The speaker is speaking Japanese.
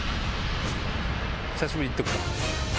久しぶりにいっとくか。